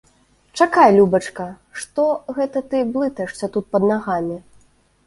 Чакай, любачка, што гэта ты блытаешся тут пад нагамі?